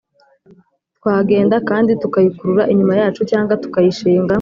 Twagenda kandi tukayikurura inyuma yacu cyangwa tukayishinga;